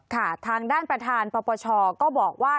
ค่ะทางด้านประธานปปชก็บอกว่า